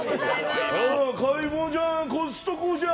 買い物じゃん、コストコじゃん。